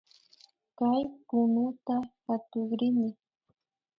Kay kunuta katukrini